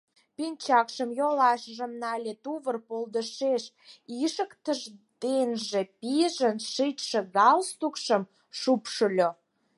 Пинчакшым, йолашыжым нале, тувыр полдышеш ишыктыш денже пижын шичше галстукшым шупшыльо.